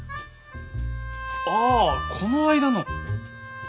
ああこの間の。